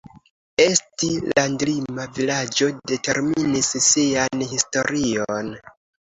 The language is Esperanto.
Esti landlima vilaĝo determinis sian historion.